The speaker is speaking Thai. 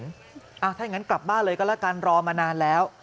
ถ้าอย่างนั้นกลับบ้านเลยก็แล้วกันรอมานานแล้ว